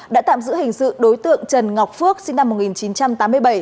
đã tạm giữ hình sự đối tượng trần ngọc phước sinh năm một nghìn chín trăm tám mươi bảy